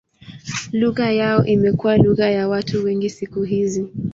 Lugha yao imekuwa lugha ya watu wengi siku hizi.